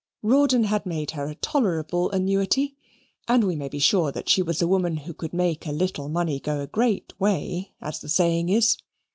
Rawdon made her a tolerable annuity, and we may be sure that she was a woman who could make a little money go a great way, as the saying is.